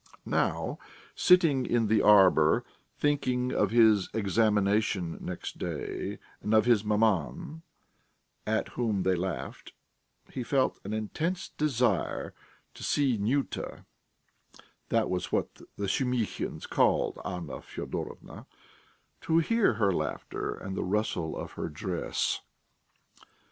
Now, sitting in the arbour, thinking of his examination next day, and of his maman, at whom they laughed, he felt an intense desire to see Nyuta (that was what the Shumihins called Anna Fyodorovna), to hear her laughter and the rustle of her dress....